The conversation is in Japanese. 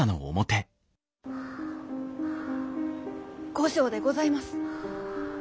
後生でございます。